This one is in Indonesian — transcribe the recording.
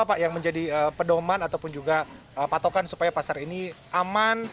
apa yang menjadi pedoman ataupun juga patokan supaya pasar ini aman